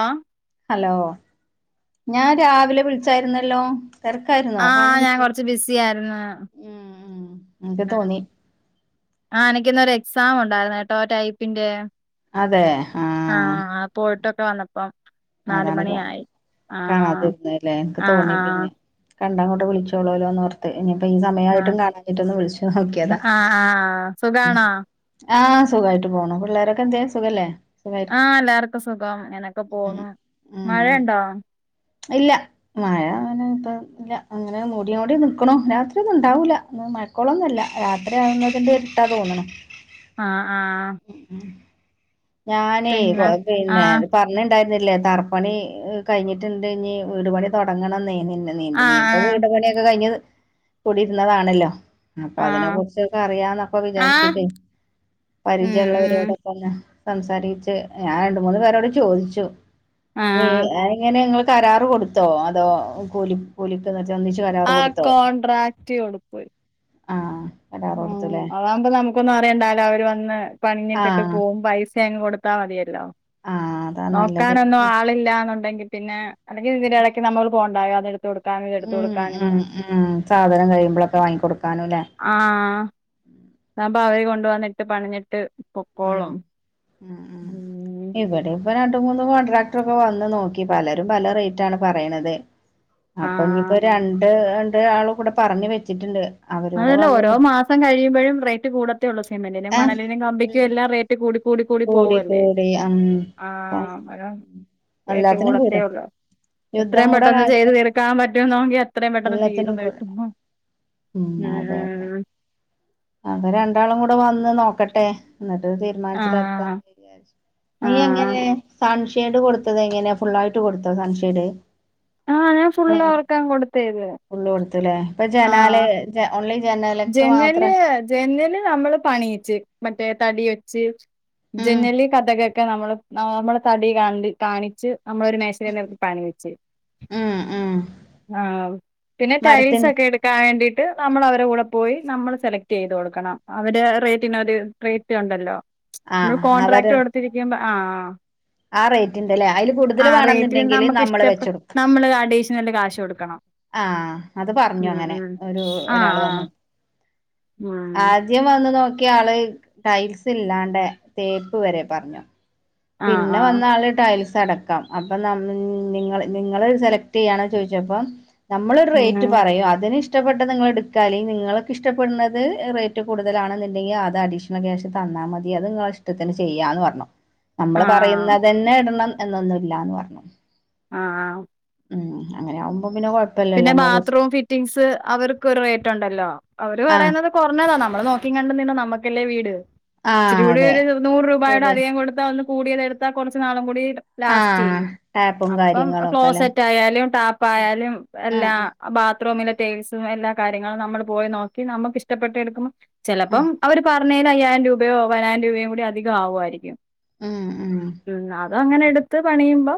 ആഹ് hello ഞാൻ രാവിലെ വിളിച്ചായിരുന്നല്ലോ. തിരക്കായിരുന്നോ ആഹ് ഫോണ് ഞാൻ എട്ക്ക് കൊറച്ച് ബിസി ആയിരുന്നു ഉം ഉം ഇൻക്ക് തോന്നി ആഹ് എനിക്കിന്നൊരു എക്സാംണ്ടായിരുന്ന്കേട്ടോ ആ ടൈപ്പിന്റെ അതെ ആഹ് പോയിട്ടൊക്കെ വന്നപ്പം നാല് അതാണ് കാ മണിയായി ആഹ് കാണാതിരുന്നല്ലേ ഇൻക്ക് ആഹ് തോന്നി ആഹ് പിന്നെ കണ്ടാ ങ്ങട്ട് വിളിചച്ചോളോല്ലോന്ന് ഓർ ഇനിപ്പ ആഹ് ഈസമയമായിട്ടും കാണാഞ്ഞിട്ടൊന്ന് വിളിച്ച് നോക്കിയതാ ആഹ് ആഹ് ഉം സുഖാണോ ആഹ് സുഖായിട്ട് പോണു പിള്ളേരൊക്കെൻന്ത്യേ സുഖല്ലേ സുഖ ആഹ് എല്ലാവർക്കുംസുഖം ങ്ങനൊക്കെ പോന്നു ഉം മഴണ്ടോ? ഇല്ല മഴാങ്ങനെപ്പം ല്ല അങ്ങനെ മൂഡ്യോണ്ട് നിക്ക്ണു രാത്രിഒന്നുണ്ടാവൂല്ല മഴക്കോളൊന്നല്ല രാത്രിയാവുന്നതിൻ്റെ ട്ടാ തോന്ന്ണ് ആഹ് ആഹ് ഉം ഞാനേ കൊ പിന്നെ പിന്നെ ആഹ് പ ഞ്ണ്ടായിരുന്നില്ലേ തറപ്പണി കഴിഞ്ഞിട്ടുണ്ട് ഞ് വീട്പണി തൊടങ്ങണംന്ന് നിന്നെ നീണ്ട് നീപ്പ നീപ്പം ആഹ് വീട്പണിയൊക്കെ കഴിഞ്ഞ് കൂടിയിരുന്നതാണല്ലോ അപ്പൊ ആഹ് അതിനെ ആഹ് കുറിച്ചൊക്കെ അറിയാന്നൊക്ക ആഹ് വിചാരിച്ചിട്ടേ ഉം ഉം പരിചയള്ളോലോട് ന്ന് സംസാരിച്ച് ഞാ രണ്ട് മൂന്ന് പേരോട് ചോദിച്ചു നീ ആഹ് അ ങ്ങള് കരാറ് കൊടുത്തോ അതോ കൂലി കൂലിട്ട്തച്ചോന്നിച്ച് കരാറ് ആ കൊടുത്തോ [inaudible] കോൺട്രാക്ട് കൊടുപ്പ് ആഹ് കരാറ് ഉം കൊടുത്തുല്ലേ അതാകുമ്പോ നമുക്കൊന്നും അറിയണ്ടാലോ അവര് വന്ന് പണിഞ്ഞിട്ടിട്ട് ആഹ് പോകവും പൈസ് സെ ങ് കൊടുത്താ മതിയല്ലോ ആഹ് അതാ നോക്കാനൊന്നും നല്ലത് ആളില്ലന്നുണ്ടെങ്കി പിന്നെ അല്ലെങ്കി ഇതിനേടയ്ക്ക് നമ്മൾ പോണ്ടായോ അത് ഉം ഉം ഉം സാധനം കഴിയുമ്പോളൊക്കെ വാങ്ങിക്കൊടുക്കാനുംല്ലേ ആഹ് താവുമ്പോ അവര് കൊണ്ട് വന്നിട്ട് പണിഞ്ഞിട്ട് ഉം പൊക്കോളും ഉം ഉം ഇവിടെ പ്പൊ രണ്ട് മൂന്ന് കോൺട്രാക്ടറോക്കെ വന്ന് നോക്കി പലരും പല റേറ്റാണ് പറയ്ണത് അപ്പൊ ഇഞ്പ്പോ ആഹ് രണ്ട് രണ്ട് രണ്ട് ആളും കൂടെ പറഞ് വെച്ചിട്ടുണ്ട് അവരോട് അതല്ല ഓരോ വന്ന് മാസം കഴിയുമ്പോഴും റേറ്റ് കൂടത്തേഒള്ളൂ സിമെന്റിനും മണലിനും കമ്പിക്കും ഉം ട്ട് കൂടി കൂടി കൂടി പോവല്ലേ ഉം ആഹ് അതാണ് റേറ്റ് എല്ലാത്തിനും കൂടും കൂടത്തേഒള്ളൂ യുദ്ധം എത്രയും കൂടെ പെട്ടെന്ന് ചെയ്ത് കാലത്ത് തീർക്കാ പറ്റുന്നോങ്കി അത്രയും പെട്ടെന്ന് എല്ലാത്തിനും കൂടും തീര്ന്നീട്ടുമ്പോ ഉം അതെ അതെ അപ്പൊ രണ്ടാളും കൂടെ വന്ന് നോക്കട്ടെ ന്നട്ട് ആഹ് തീരുമാനത്തിലെത്താന്ന് വിജാര്ച്ച്ക് [inaudible] നീ ആഹ് എങ്ങനെ സൺഷെയ്ഡ് കൊടുത്തതങ്ങനെ ഫുള്ളായിട്ട് കൊടുത്തതോ സൺഷെയ്ഡ്? ആഹ് ഞാ ഫുള്ള് അവർക്കാങ് കൊടുത്തയ്ദ് ഫുള്ള് കൊടുതൂല്ലേ ഇപ്പൊ ജനാലേ ഓൺലി ജനാ ജനല് ജെനല് അമ്മള് പണിയിച്ച് മറ്റേ തടി വെച്ച് ഉം ജനല് കതക് ക്കെ നമ്മൾ നമ്മള് തടി ക കാണിച്ച് നമ്മളൊരു മേശരിന്റട്ത്ത് പണിയിച്ച് ഉം ഉം ആഹ് പിന്നെ മരത്തിന്റെ ടൈൽസൊക്കെ എ ക്കാവേണ്ടീട്ട് നമ്മള അവരെ കൂടെ പോയി നമ്മൾ സെലക്ട് ചെയ്ത് കൊടുക്കണം അവടെ റേറ്റന് ഒരു റേറ്റ് ഒണ്ടല്ലോ ആ നമ്മൾ കോൺട്രാക്ട് അവര് കൊടുത്തിരിക്കുമ്പോ ആഹ് ആ റേറ്റിന്റല്ലേ അതില് കൂടുതൽ ആ റേറ്റിന് വേണന്നുണ്ടെങ്കില് നമുക്ക് നമ്മള് ഇഷ്ടപ്പെ വെച്ചോടുക്ക നമ്മള് അഡീഷനല് നല്ല കാശ് കൊടുക്കണം ആഹ് അത് പറഞ്ഞു ഉം അങ്ങനെ ഉം ഒരു ആഹ് ഒരാൾ ആഹ് വന്നു ഉം ആ ദ്യം വന്ന് നോക്കിയ ആള് ടൈൽസ് ഇല്ലാണ്ട് തേപ്പ് വരെ പറഞ്ഞു ആഹ് പിന്നെ ആഹ് വന്ന ആള് ടൈൽസ് അടക്കാം അപ്പം നിങ്ങൾ നിങ്ങൾ സെലക്ട് ചെയ്യയാണ ചോദിച്ചപ്പം നമ്മളരു റേറ്റ് ഉം പറയും അതിന്ഷ്ടം ഇഷ്ടപ്പെട്ട നിങ്ങളെടുക്കാ നിങ്ങൾക്കെ ഇഷ്ടപ്പെടുന്നത് റേറ്റ് കൂടുതലാണെന്നുണ്ടെങ്കിൽ ആത അഡീഷൻ ബാകിള്ള കാഷ് ഇങ്ങൾ തന്നാ മതി അത് നിങ്ങള ഇഷ്ടത്തിന് ചെയ്യാന്ന് പറഞ്ഞു നമ്മള് ആഹ് പറയുന്നതന്നെ ഇടണം എന്നൊന്നുംല്ലന്ന് പറഞ്ഞു ആഹ് ഉം അങ്ങനെ ആവുമ്പം പിന്നെ കുഴ പിന്നെ ബാത്റൂം ഫിറ്റിംഗസ് അവർക്ക് ഒരു റേറ്റ് ഉണ്ടല്ലോ അവര് ആ പറയുന്നത് കുറഞ്ഞതാ നമ്മള് നോക്കി കണ്ട നിന്ന നമ്മക്കല്ലേ വീട് ആ ഇച്ചിരി കൂടി അതെ ഒരു നൂറ് രൂപയുടെ കൂടെ അധികം കൊടുത്തൽ ഒന്ന് കൂടിയതത് എടുത്താ കുറച്ചു നാളും കൂടി ആ ലാസ്റ്റ് ചെയ്യും ടാപ്പും അപ്പം കാര്യങ്ങളും ഒക്കെ ക്ലോസ് അല്ലെ സെറ്റ് ആയാലും ടാപ്പയാലും ആ എല്ലാ ആ ബാത് റൂമിലെ ടൈയിൽസും എല്ലാ കാര്യങ്ങളും നമ്മൾ പോയി നോക്കി നമുക്ക് ഇഷ്ടപ്പെട്ട് എടുക്കുമ്പോ ആ ചിലപ്പം അവര് പറഞ്ഞതിൽ അയ്യായിരം രൂപയോ പതിനായിരം രൂപയോ കൂടി അധികം ആവുമായിരിക്കും ഉം ഉം ഉ അത അങ്ങനെ എടുത്ത് പണിയുമ്പോ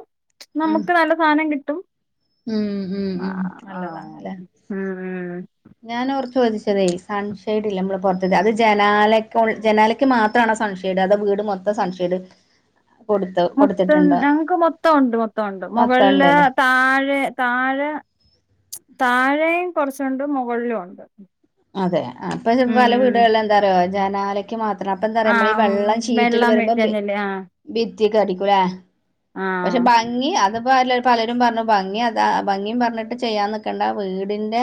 ഉം നമുക്ക് നല്ല സാധനം കിട്ടും ഉം ഉം ഉം ആഹ് ഉ ഞാൻ ഓ ചോദിച്ചതേ സൺഷൈഡ് ഇല്ല നമ്മള് പുറത്ത അത് ജനാലക്കെ ജനാല ക്ക് മാത്രമാണ് സൺഷ്ഡ് അത വീട് മൊത്തം സൺഷെയ്ഡ് കൊടുത്ത് മൊത്തം കൊടുത്തിട്ടുണ്ടോ ഞങ്ങൾക്ക് മൊത്തംണ്ട് മൊത്തംണ്ട് മൊത്തം മുകളില് ഉണ്ടല്ലേ താഴെ താഴെ താഴയും കുറച്ചുണ്ട് മുകളിലും ഉണ്ട് അതെ അപ്പൊ പല ഉം വീടുകളില എന്താ പറയോ ജനാല ക്ക്മാത്രം അപ്പൊ എന്താ പറയാ ആ നമ്മൾ ഈ വെള്ളം ചീറ്റിൽ വെള്ളം വരുമ്പോ വീഴഞ്ഞില്ലേ ആ ഭിത്തിയക്കെ അടിക്കൂലേ ആ പക്ഷെ ഭംഗി അത്പ്പല്ല പലരും പറഞ്ഞു ഭംഗി അത ഭംഗിയ പറഞ്ഞിട്ട് ചെയ്യാൻ നക്കേണ്ട വീടിന്റെ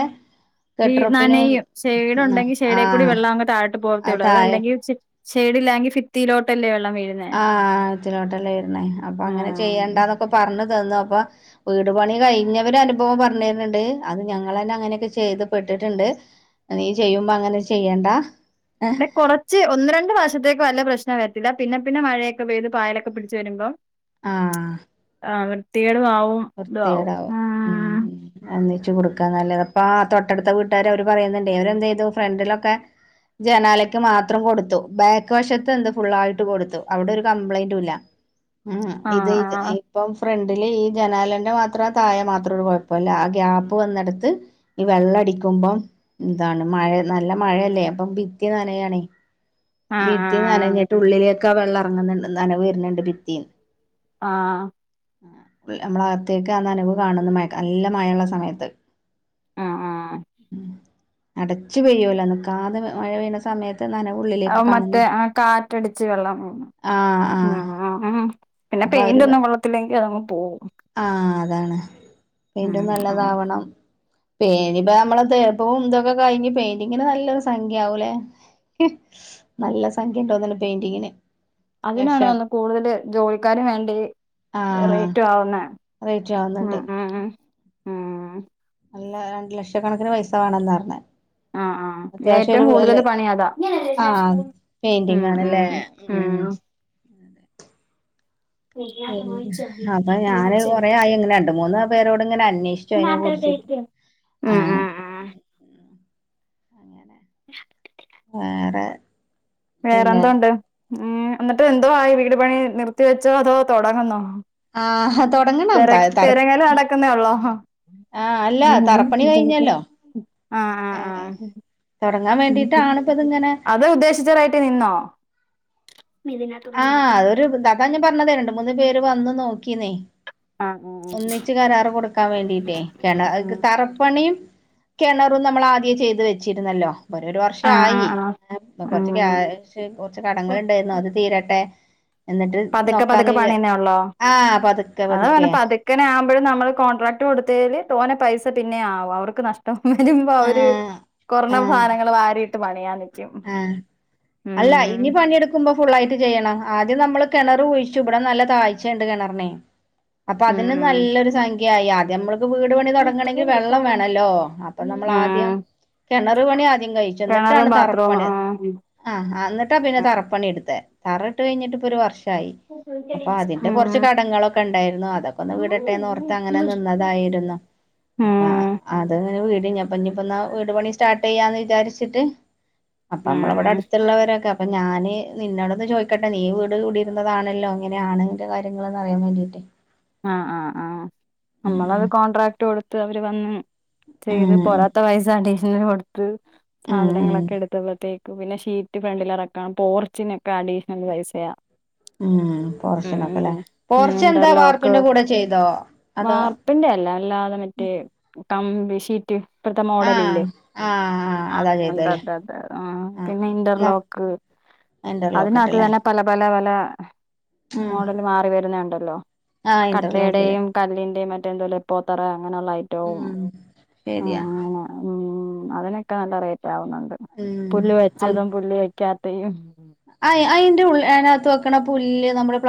കെട്ടുറപ്പിനും നനേയും ഷേഡ് ഉം, ഉണ്ടെങ്കിൽ ആ ആ ഷേടേ കൂടി വെള്ളം അങ്ങ് താഴട്ട് പോവത്തേ അത് ഉള്ളൂ താഴെ അല്ലെങ്കിൽഷഡില്ലല്ലെങ്കിൽ ഫിത്തിയിലോട്ടല്ലേ വള്ളം വീഴുന്നത് ആഹ് ഉത്തിലിലോട്ടല്ലേ വരുന്നേ അപ്പൊ ആ അങ്ങനെ ചെയ്യേണ്ടന്നൊക്കെ പറഞ്ഞു തന്നു അപ്പൊ വീട് പണി കഴിഞ്ഞവര് അനുഭവം പറഞ്ഞ തണ്ട് അത് ഞങ്ങൾ തന്നെ അങ്ങനെയൊക്കെ ചെയ്ത്പെട്ടിട്ടുണ്ട് നീ ചെയ്യുമ്പോ അങ്ങനെ ചെയ്യേണ്ടാ ന കൊർ ച്ച് ഒന്ന് രണ്ട് വർഷത്തേക്ക് വല്ല പ്രശ്നം വരത്തില്ല പിന്നെ പിന്നെ മഴയൊക്കെ പെയ്ത് പായലൊക്കെ പിടിച്ചച്ച് വരുമ്പോ ആഹ് വൃത്തികേടും ആവും ഇതും ആവും ആഹ് എന്നച്ചു കൊടുക്കാ നല്ലത് അപ്പ ആ തൊട്ടടുത്ത വീട്ടുകാര് അവര് പറയുന്നുണ്ട് അവര്ന്ത് ചെയ്തു ഫ്രണ്ടിലൊക്കെ ജനാലയ്ക്ക് മാത്രം കൊടുത്തു ബാക്ക് വശത്ത് എന്ത് ഫുള്ളായിട്ട് കൊടുത്തു അവിടെ ഒരു കംപ്ലൈയിന്റും ഇല്ല ഉ ഇത് ആഹ് ഇത് ആഹ് ഇപ്പം ഫ്രണ്ടില് ഈ ജനാലൻ്ന്റെ മാത്രം ആ തായെ മാത്രം ഒരു കുഴപ്പല്ല ആ ഗ്യാപ്പ് വന്നെടുത്ത് ഈ വെള്ളം അടിക്കുമ്പം എന്താണ് മഴ നല്ല മഴയല്ലേ അപ്പം ഭിത്തി നനയണേ ആഹ് ഭിത്തി ആഹ് നനഞ്ഞിട്ട് ഉള്ളിലേക്കെ ആ വെള്ളംറങ്ങുന്നുണ്ട് നന വരുന്നുണ്ട് ഭിത്തിന്ന് ആഹ് നമ്മള അകത്തേക്ക് അ നനവ് കാണുന്ന മഴ നല്ല മഴയുള്ള സമയത്ത് ആഹ് ആഹ് അടച്ചു പെയ്യുവലോ നിക്കാതെ മഴ പെയ്യണ സമയത്ത് നനവ്ഉള്ളിൽ മറ്റേ കാറ്റടിച്ച് വെള്ളം വു ആ ആ ഉ ആ ഉ പിന്നെ പെയിന്റ് ഒന്നും കൊള്ളത്തില്ലെങ്കിൽ അതങ്ങ് പോവും ആഹ് അതാണ് ഉം പെയ്ന്റും ഉം നല്ലതാവണം പെയിന്പ്പ നമ്മള തേപ്പും ഇന്തൊക്കെ കഴിഞ്ഞ് പെയിന്റിങ്ങിന് നല്ലൊരു സംഖ്യ ആവുലേ നല്ല സംഖ്യ ഉണ്ടോന്നല്ല പെയിന്റിങ്ങിന് അതിനാണ് ലക്ഷം നന്ന് കൂടുതൽ ജോലിക്കാരന് വേണ്ടി റേറ്റ ആവുന്ന അതേറ്റ ആവുന്നുണ്ട് ആഹ് ആഹ് അല്ല രണ്ടു ലക്ഷക്കണക്കിന് പൈസ വേണംന്നർഞ്ഞെ ആഹ് ആഹ് അത്യാവശ്യം ഏറ്റവും ഒരു അല്ല കൂടുതല് പണി അതാ ആ ഉം പെയിന്റിങ്ങാണ് ല്ലേ ഉം അപ്പൊ ഉം ഞാന് കൊറേ ആയി ഇങ്ങനെ രണ്ട് മൂന്ന് പേരോട്ങ്ങനെ അന്വേഷിച്ചു അയ്നെ കുറിച്ച് ആഹ് അങ്ങനെ വേറെ പിന്നെ വേറെന്തോണ്ട്, ഉം എന്നിട്ട് എന്തോ ആയി വീട് പണി നിർത്തി വെച്ചോ അതോ തൊടങ്ങുന്നോ ആഹ് തൊടങ്ങണം താഴെ തറ ഉം. ക്ക്ന്നേള്ളോ ആഹ് അല്ല തറപ്പണി കഴിഞ്ഞല്ലോ [unintelligible] ഏഹ് തൊടങ്ങാൻ വേണ്ടിട്ടാണ്‌പ്പത്ങ്ങനെ ത് ഉദ്ദേശിച്ച റൈറ്റി നിന്നോ ആഹ് അതൊരു അതാ ഞാൻ പറഞ്ഞത് രണ്ട് മൂന്ന് പേര് വന്നു നോക്കീന്നേ ആഹ് ഒന്നിച്ച് കരാറ് കൊടുക്കാൻ വേണ്ടിട്ടേ കെണ ഉം തറപ്പണീം കെണറും നമ്മളാദ്യെ ചെയ്ത് വെച്ചിരുന്നല്ലോ ഒരു ഒരു ആഹ് വർഷായി ആഹ് ആഹ് കൊർച്ച് ഉം ക്യാഷ് കൊർച്ച് കടങ്ങളുണ്ടായിരുന്നു അത് തീരട്ടെ എന്നിട്ട് പതുക്കെ നോക്കാന്ന് പതുക്കെ വിചാ പണിയുന്നേ ആഹ് പതുക്കെ പതുക്കെ ക്കനെ ആവുമ്പഴും നമ്മള് കോൺട്രാക്ട് കൊടുതേല് തോനെ പൈസ പിന്നെ ആവും അവർക്ക് നഷ് ടം വരുമ്പ അവര് ആഹ് കൊർണ ആഹ് സാനങ്ങള് വാരിയിട്ട് പണിയാൻ നിക്ക് ആഹ് അല്ലാ ഇനി പണിയെടു ക്കുമ്പോ ഫുള്ളായിട്ട് ചെയ്യണം ആദ്യം നമ്മള് കെണറ് കുഴിച്ചു ബടെ നല്ല താഴ്ച്ചണ്ട് കെണറിനെ അപ്പൊ ഉം അതിന് ഉം നല്ലൊരു സംഖ്യായി ആദ്യമ്മള് ക്ക് വ്ട് പണി തൊടങ്ങണങ്കിൽ വെള്ളം ഉം വേണല്ലോ അപ്പൊ നമ്മളാദ്യം കെണറ് പണി ആദ്യം കഴിച്ചെന്നിട്ടാണ് കിണറും തറ ത് ബാത്റൂമും ആഹ് ആഹ് ആഹ് എന്നിട്ടാ പിന്നെ തറപ്പണിട്ത്തെ തറട്ട് കഴിഞ്ഞിട്ട്പ്പൊരു വർഷായി അപ്പൊ അതിന്റെ ഉം കൊറച്ച് കടങ്ങളൊക്കെണ്ടായിരുന്നു അതൊക്കൊന്ന് ഉം വീടട്ടെന്നോർത്ത് അങ്ങനെ നിന്നതായിരുന്നു അപ്പ ഉം അത്ങ്ങനെ വീടി ഞപ്പ നിപ്പന്നാ വീട് പണി സ്റ്റാർട്ടെയ്യാന്ന് വിചാരിച്ചിട്ട് അപ്പമ്മളവടെ അട്ത്തുള്ളവരൊക്കെ അപ്പൊ ഞാന് നിന്നോടൊന്ന് ചോയ്ക്കട്ടെ നീയും വീട് കുടിയിരുന്നതാണല്ലോ എങ്ങനെയാണയ്ന്റെ കാര്യങ്ങളെന്ന് അറിയാൻ വേണ്ടിട്ടേ ആഹ് ആഹ് ആഹ് ഉം നമ്മളത് കോൺട്രാക്ട് കൊടുത്ത് അവര് വന്ന് ഉം ചെയ്ത് പൊറ ത്ത്‌ പൈസ അഡീഷ്നല് കൊടുത്ത് ഉം ഉം സാധനങ്ങളൊക്കെ എടുത് ത്തപ്പോഴത്തേക്കും പിന്നെ ഷീറ്റ് ഫ്രണ്ടിലെറക്കണം പോർച്ചിനൊക്കെ അഡീഷ്ണല് പൈസയാ ഉം ഉം പോർച്ചിനോക്കെല്ലേ ഉം പോർച്ചെന്താ ഇന്റർലോക്ക് വാർപ്പിന്റെ കൂടെ ചെയ്തോ അതോ പ്പിന്റെ അല്ല അല്ലാതെ മറ്റേ കമ്പി ഷീ റ്റ് ഇപ്പഴത്തെ ആഹ് മോഡലില്ലേ ആഹ് അതാ ആഹ് ചെയ്തല്ലേ അതെതെ ആഹ് പിന്നെ ഇന്റർലോ ക്ക് ഇൻ്റർലോക്ക്ട്ട്ലേ പല പല പല മോഡല് മാറി വരുന്നെയു ണ്ടല്ലോ ആഹ് ഇന്റർലോക്കില് കട്ടെടെയും കല്ലിന്റെയും മറ്റെന്തോ ലെപോത്തറ അങ്ങനെയുള്ള ഐ ഉം ശരിയാ ഉം അതിനൊക്കെ നല്ല റേറ്റ് ആവുന്നുണ്ട് ഉം പുല്ല് വെച്ചതും പുല്ല് വെക്കാത്തെയും അയ് അയ്ന്റെ ഉള്ള് അയ്നകത്ത് വെക്കണ പുല്ല് നമ്മടെ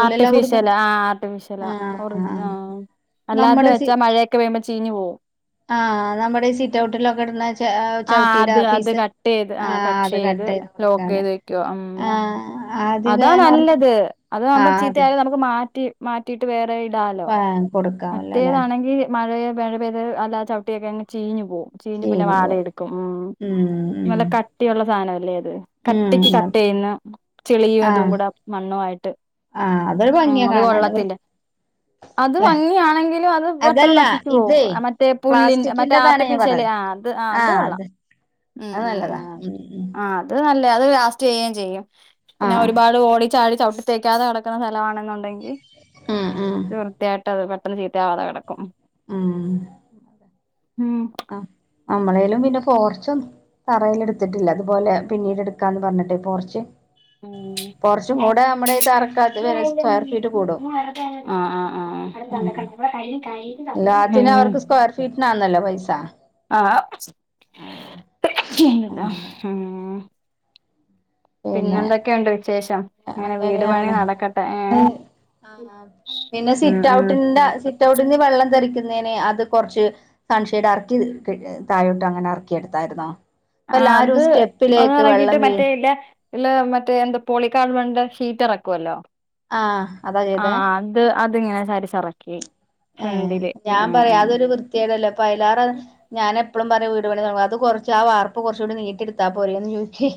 ആർട്ടിഫിഷ്ല് ആഹ് ആർട്ടിഫിഷ് [unintelligible] ആഹ് അല്ലാതെ നമ്മുടെ സി വെച്ചാ മഴയൊക്കെ പെയുമ്പോ ചീഞ്ഞു പോവും ആഹ് നമ്മുടെ ഈ സിറ്റൗട്ടിലൊക്കെ ഇട്ണ ആഹ് അത് അത് കട്ട് ചെയ്ത് ആഹ് അത് കട്ട് കട്ട്യ്ത് ചെയ്ത് ലോക്ക് കൊടുക്കാല്ലേ ചെയ്ത് വെക്കുവാ ഉം ആഹ് ആദ്യൊക്കെ അതാ ഞാൻ ഓർത്ത് നല്ലത് അതാവുമ്പോ ആഹ് അത് ചീത്തയാലും നമുക്ക് മാറ്റി മാറ്റിട്ട് വേറെ ഇടാലോ ആ കൊടുക്കാമല്ലോല്ലേ മറ്റേതാണെങ്കി മഴയ മഴ പെയ്ത് അല്ല ചവിട്ടിയൊക്കെ അങ്ങ് ചീഞ്ഞ് പോവും ചീഞ്ഞ് പിന്നെ വാട എടുക്കും ഉം ഉം നല്ല ഉം കട്ടിയുള്ള സാധനം അല്ലേ അത് ഉം കട്ടിക്ക് കട്ട് അതെ ചെയ്യുന്ന ചെളിയും ഇതും ആഹ് കൂടെ മണ്ണു ആയിട്ട് ആഹ് അതൊരു ഉം ഭംഗിയ അത് കാണാൻ വൃ കൊള്ളത്തില്ല അത് ല്ലേ ഭംഗിയാണെങ്കിലും അത് പെട്ടെന്ന് അതല്ല നശിച്ചു പോവും ഇതേ മറ്റേ പുല്ലി മറ്റേ പ്ലാസ്റ്റിക്കിന്റെതാണ് ഞാൻ ആർട്ടിഫിഷൽ പറഞ്ഞത് ആഹ് ആഹ് ഇത് കൊള്ളാം ഉം അത് ഉം നല്ലതാ ഉം ഉം ആഹ് അത് നല്ല അത് ലാസ്റ്റ് വേഗം ചെയ്യും പിന്നെ ആഹ് ഒരുപാട് ഓടി ചാടി ചവിട്ടിത്തേക്കാതെ കിടക്കുന്ന സ്ഥലമാണെന്നുണ്ടെങ്കിൽ ഉം ഉം വൃത്തിയായിട്ടത് പെട്ടെന്ന് ചീത്താവാതെ കിടക്കും ഉം ഉം ആ നമ്മളേലും പിന്നെ പോർച്ചൊന്നും തറയിൽ എടുത്തിട്ടില്ല അതുപോലെ പിന്നീട് എടുക്കാന്ന് പറഞ്ഞിട്ട് പോർച്ച് ഉം പോർച്ചും [inaudible] ആ കൂടെ നമ്മുടെ ഈ തറക്കാത്ത് വരെ സ്ക്വയർ ഫീറ്റ് കൂടും ആഹ് ഉം ആഹ് [inaudible] ഉം ഫീറ്റ്നാന്നല്ലോ പൈസ ആഹ് ആഹ് അങ്ങനെ ഉം പിന്നെ എന്തൊക്കെയുണ്ട് വിശേഷം ഇങ്ങനെ വീട് പണി അങ്ങനെയാണ് നടക്കട്ടെ ഏ ആഹ് പിന്നെ സിറ്റ് ഔട്ടിന്റെ സിറ്റ് ഔട്ടിന്ന് വെള്ളം തെറിക്കുന്നേന് അത് കൊറച്ച് സൺഷൈയ്ഡ് ഇറക്കി തായോട്ട് അങ്ങനെ ഇറക്കി എടുത്തായിരുന്നോ ഇപ്പ ആ എല്ലാരും അത് ഒന്നും സ്റ്റെപ്പിലേക്ക് ഇറങ്ങിട്ട് വെള്ളം മറ്റേ വീഴ് ഇല്ല ഇല്ല മറ്റേ എന്താ പോളിക്കാർബൺന്റെ ശീറ്റ് ഇറക്കുവല്ലോ ആഹ് അതാ ചെയ്ത ആഹ് അത് അത് ഇങ്ങനെ സാരിച്ചറക്കി ഏ ഞാൻ പറയാം അതൊരു വൃത്തിയേടല്ലോ അപ്പ അയ്ലാറെ ഞാൻ എപ്പളും പറയും വീട് പണി തുടങ്ങുമ്പം അത് കുറച്ച് ആ വാർപ്പ് കുറച്ചുകൂടി നീട്ടി എടുത്താ പോരേന്ന് ചോദിച്ച്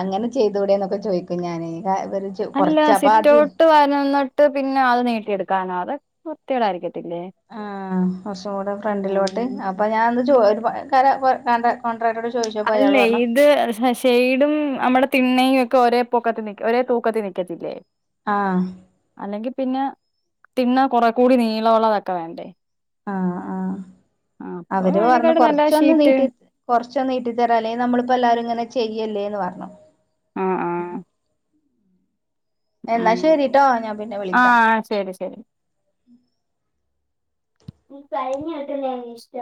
അങ്ങനെ ചെയ്തൂടെ എന്നൊക്കെ ചോദിക്കും ഞാൻ അല്ല സിറ്റ് ഔട്ട് വരന്നിട്ട് പിന്നെ അത് നീട്ടിയെടുക്കാനോ അത് വ്യത്തി കേടായിരിക്കത്തില്ലേ ആ കുറച്ചും കൂടെ ഫ്രണ്ടിലോട്ട് അപ്പൊ ഞാൻ ക കണ്ട കോൺട്രാക്ടോട് ചോദിച്ചു അല്ലേ ഇത് സ സൺഷെയ്ടും നമ്മടെ തിണ്ണയും ഒക്കെ ഒരേ പൊക്കത്തി നി ഒരേ തൂക്കത്തിൽ നിൽക്കത്തില്ലേ ആഹ് അല്ലെങ്കിൽ പിന്നെ തിണ്ണ കൊറെ കൂടി നീളമുള്ളതൊക്കെ വേണ്ടേ ആഹ് ആഹ് ആ അപ്പൊ അവര് പറഞ്ഞു അതിനെക്കാട്ട് നല്ല കുറച്ചൊന്ന് ഷീറ്റ് നീട്ടി കൊറച്ചൊന്ന് നീട്ടിത്തരാം അല്ലേ നമ്മളിപ്പോ എല്ലാരും ഇങ്ങനെ ചെയ്യല്ലേന്ന് പറഞ്ഞു ആഹ് എന്നാ ശരിട്ടോ ഞാൻ പിന്നെ വിളിക്കാം ആഹ് ശരി ശരി കഴിഞ്ഞ കേട്ട ാൻ ഇഷ്ടം